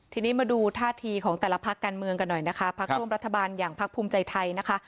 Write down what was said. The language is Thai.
ทีนี้มาดูท่าทีของแต่ละพักการเมืองกันหน่อยนะคะพักร่วมรัฐบาลอย่างพักภูมิใจไทยนะคะ